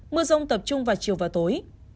mưa rông tập trung vào chiều và tối